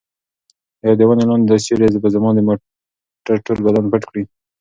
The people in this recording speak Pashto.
ایا د ونې لاندې دا سیوری به زما د موټر ټول بدن پټ کړي؟